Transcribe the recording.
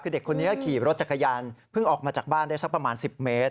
คือเด็กคนนี้ขี่รถจักรยานเพิ่งออกมาจากบ้านได้สักประมาณ๑๐เมตร